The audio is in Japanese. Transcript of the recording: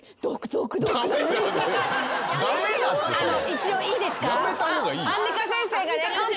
一応いいですか？